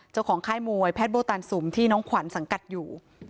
ค่ายมวยแพทย์โบตันสุมที่น้องขวัญสังกัดอยู่